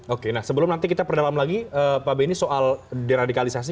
oke nah sebelum nanti kita berdalam lagi pak benny soal diradikalisasi